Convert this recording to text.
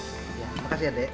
terima kasih ade